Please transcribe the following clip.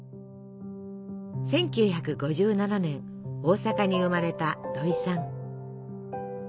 １９５７年大阪に生まれた土井さん。